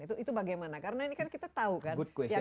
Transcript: itu bagaimana karena ini kan kita tahu kan